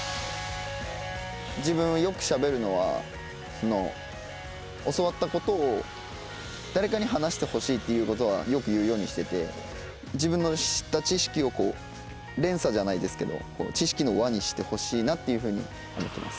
自分よくしゃべるのは教わったことを誰かに話してほしいっていうことはよく言うようにしてて自分の知った知識を連鎖じゃないですけど知識の輪にしてほしいなっていうふうに思ってます。